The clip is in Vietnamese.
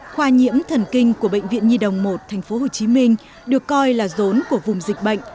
khoa nhiễm thần kinh của bệnh viện nhi đồng một tp hcm được coi là rốn của vùng dịch bệnh